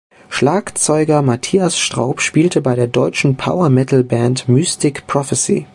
Schlagzeuger Matthias Straub spielte bei der deutschen Power-Metal-Band Mystic Prophecy.